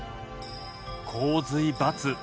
「洪水×」。